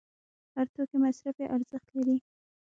هر توکی مصرفي ارزښت لري.